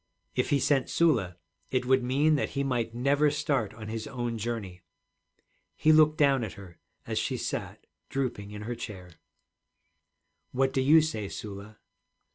If he sent Sula, it would mean that he might never start on his own journey. He looked down at her, as she sat drooping in her chair. 'What do you say, Sula?'